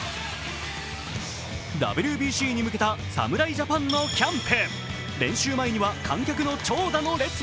ＷＢＣに向けた侍ジャパンのキャンプ。